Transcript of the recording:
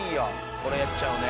これやっちゃうね。